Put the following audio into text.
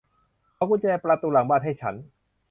ขอกุญแจประตูหลังบ้านให้ฉัน